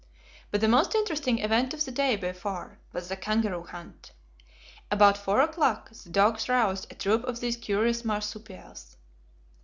But the most interesting event of the day, by far, was the kangaroo hunt. About four o'clock, the dogs roused a troop of these curious marsupials.